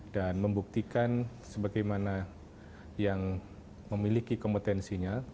dan membuktikan sebagaimana yang memiliki kompetensinya